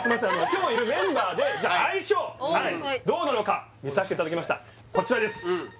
今日いるメンバーで相性どうなのか見させていただきましたこちらです